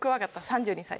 ３２歳。